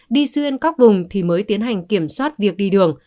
đi xuyên các vùng thì mới tiến hành kiểm soát việc đi đường